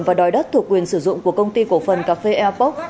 và đòi đất thuộc quyền sử dụng của công ty cổ phần cà phê airpoc